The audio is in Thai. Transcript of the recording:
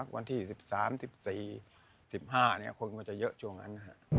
วันที่๑๓๑๔๑๕คนก็จะเยอะช่วงนั้น